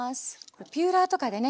ピーラーとかでね